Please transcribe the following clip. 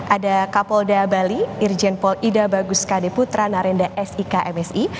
ada kapolda bali irjenpol ida baguska deputra narenda sik msi